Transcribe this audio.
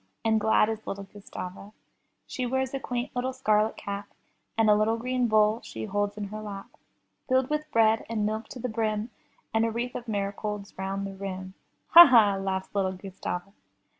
And glad is little Gustava. She wears a quaint little scarlet cap, And a little green bowl she holds in her lap, Filled with bread and milk to the brim, And a wreath of marigolds round the rim; *'Ha! ha!'' laughs little Gustava.